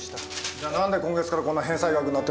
じゃ何で今月からこんな返済額になってるんだ？